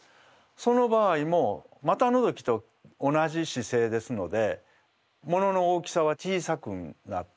その場合も股のぞきと同じ姿勢ですのでものの大きさは小さくなって奥行き感も縮むと思います。